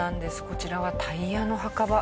こちらはタイヤの墓場。